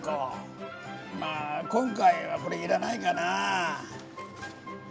まあ今回はこれ要らないかなあ。